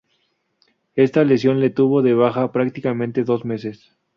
Esta lesión le tuvo de baja prácticamente dos meses.